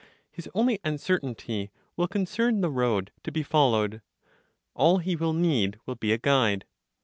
His only uncertainty will concern the road to be followed, all he will need will be a guide.